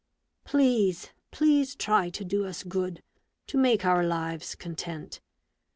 Please, please try to do us good, to make our lives content.